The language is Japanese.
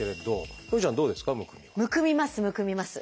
むくみますむくみます。